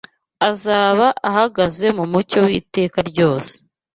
azaba ahagaze mu mucyo w’iteka ryose